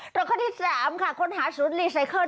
ข้อที่๓ค่ะค้นหาศูนย์รีไซเคิล